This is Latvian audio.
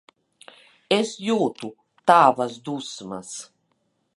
Es jūtu tavas dusmas.